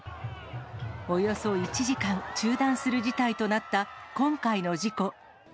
およそ１時間中断する事態となった今回の事故。